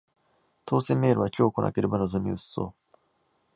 当せんメールは今日来なければ望み薄そう